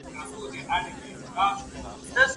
بڼه له انتقادونو خلاص سول. د جمهوریت د شل